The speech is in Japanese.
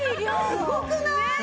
すごくない？